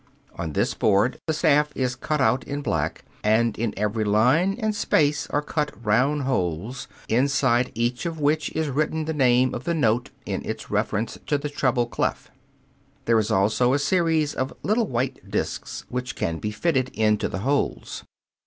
On this board the staff is cut out in black, and in every line and space are cut round holes, inside each of which is written the name of the note in its reference to the treble clef. There is also a series of little white discs which can be fitted into the holes.